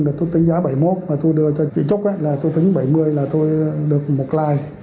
được tôi tính giá bảy mươi một mà tôi đưa cho chị trúc là tôi tính bảy mươi là tôi được một like